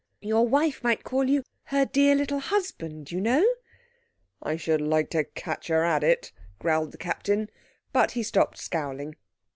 Your wife might call you her dear little husband, you know." "I should like to catch her at it," growled the Captain, but he stopped scowling.